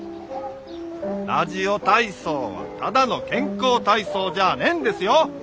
ラジオ体操はただの健康体操じゃあねんですよ！